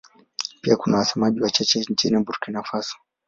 Pia kuna wasemaji wachache nchini Burkina Faso.